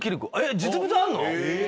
実物あるの？